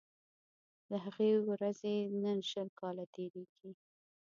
له هغې ورځي نن شل کاله تیریږي